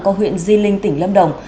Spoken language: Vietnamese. có huyện di linh tỉnh lâm đồng